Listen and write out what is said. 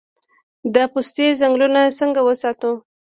د پستې ځنګلونه څنګه وساتو؟